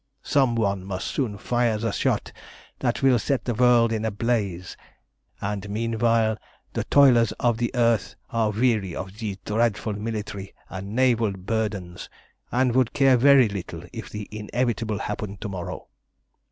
"Some one must soon fire the shot that will set the world in a blaze, and meanwhile the toilers of the earth are weary of these dreadful military and naval burdens, and would care very little if the inevitable happened to morrow.